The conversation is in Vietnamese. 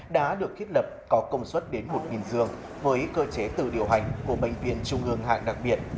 đã được thiết lập có công suất đến một giường với cơ chế từ điều hành của bệnh viện trung ương hạng đặc biệt